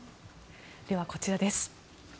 では、こちらです。